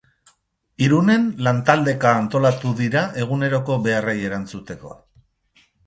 Irunen lantaldeka antolatu dira eguneroko beharrei erantzuteko.